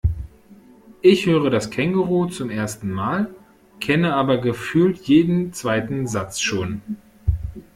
Ich höre das Känguruh zum ersten Mal, kenne aber gefühlt jeden zweiten Satz schon.